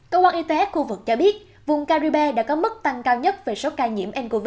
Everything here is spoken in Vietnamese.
cơ quan y tế khu vực cho biết vùng caribe đã có mức tăng cao nhất về số ca nhiễm ncov